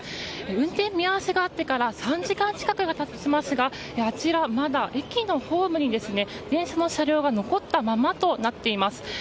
運転見合わせがあってから３時間近くが経ちますがあちら、まだ駅のホームに電車の車両が残ったままとなっています。